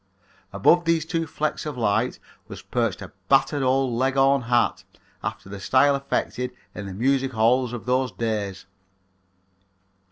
Above these two flecks of light was perched a battered old leghorn hat after the style affected in the music halls of those days.